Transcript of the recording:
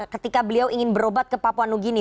ketika beliau ingin berobat ke papua nugini